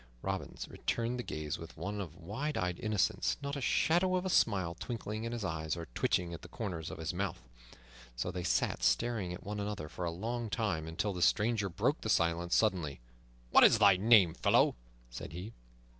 Robin returned the gaze with one of wide eyed innocence, not a shadow of a smile twinkling in his eyes or twitching at the corners of his mouth. So they sat staring at one another for a long time, until the stranger broke the silence suddenly. "What is thy name, fellow?" said he.